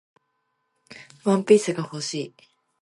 ワンピースが欲しい